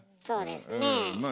そうですねえ。